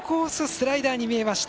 スライダーに見えました。